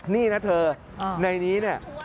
นี่นะเธอในนี้เนี่ย